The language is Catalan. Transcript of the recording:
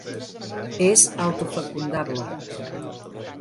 És autofecundable.